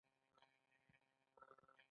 زه مکتب ته نه ځم